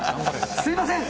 すみません。